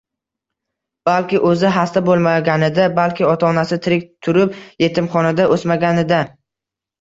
Balki o’zi hasta bo’lmaganida, balki ota onasi tirik turib yetimxonada o’smaganida.